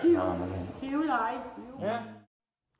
อ๋ออ๋อเหี่ยวไหล